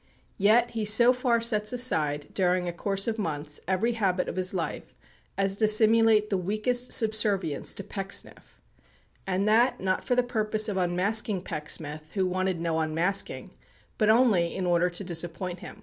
Yet he so far sets aside, during a course of months, every habit of his life, as to simulate the weakest subservience to Pecksniff and that not for the purpose of unmasking Pecksniff, who wanted no unmasking, but only in order to disappoint him.